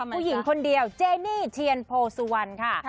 ผู้หญิงคนเดียวเจนี่เทียนโพสุวรรณค่ะ